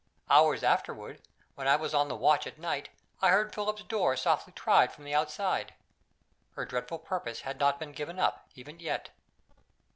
Hours afterward, when I was on the watch at night, I heard Philip's door softly tried from the outside. Her dreadful purpose had not been given up, even yet.